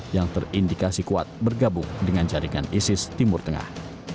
yang terindikasi kuat bergabung dengan jaringan isis timur tengah